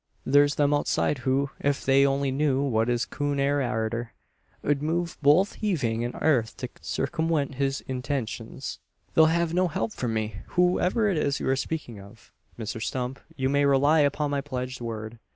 Thur's them outside who, ef they only knew what this coon air arter, 'ud move both heving an airth to circumwent his intenshuns." "They'll have no help from me whoever it is you are speaking of. Mr Stump, you may rely upon my pledged word."